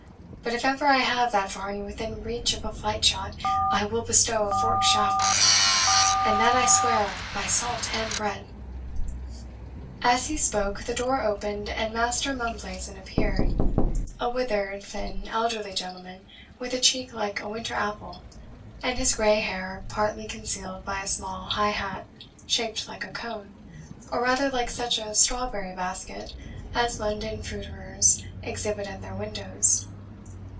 But if ever I have that Varney within reach of a flight shot, I will bestow a forked shaft on him; and that I swear by salt and bread." As he spoke, the door opened, and Master Mumblazen appeared a withered, thin, elderly gentleman, with a cheek like a winter apple, and his grey hair partly concealed by a small, high hat, shaped like a cone, or rather like such a strawberry basket as London fruiterers exhibit at their windows.